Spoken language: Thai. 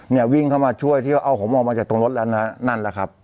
เนี่ยวิ่งเข้ามาช่วยที่ว่าเอาผมออกมาจากตรงรถแล้วนะฮะนั่นแหละครับ